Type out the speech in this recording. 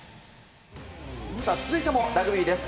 続いてもラグビーです。